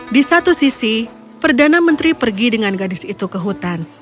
di satu sisi perdana menteri pergi dengan gadis itu ke hutan